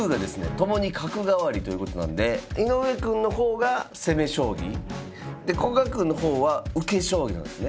共に角換わりということなんで井上くんの方が攻め将棋で古賀くんの方は受け将棋なんですね。